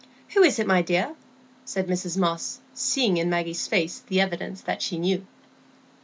"Who is it, my dear?" said Mrs Moss, seeing in Maggie's face the evidence that she knew.